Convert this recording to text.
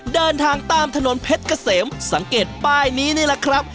เดินทางตามถนนเพชรเกษมสังเกตป้ายนี้นี่แหละครับ